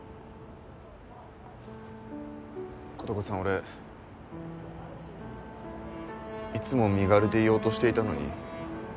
琴子さん俺いつも身軽でいようとしていたのに。